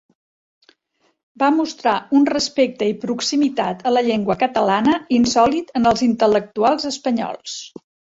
Va mostrar un respecte i proximitat a la llengua catalana insòlit en els intel·lectuals espanyols.